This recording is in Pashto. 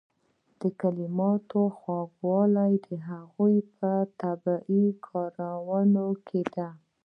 د کلماتو خوږوالی د هغوی په طبیعي کارونه کې دی.